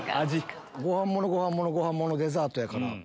ご飯ものご飯ものご飯ものデザートやから。